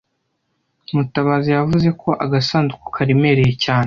Mutabazi yavuze ko agasanduku karemereye cyane